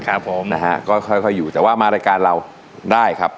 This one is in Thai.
ครับผมนะฮะก็ค่อยค่อยอยู่แต่ว่ามารายการเราได้ครับ